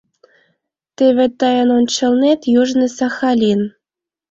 Теве тыйын ончылнет — Южный Сахалин.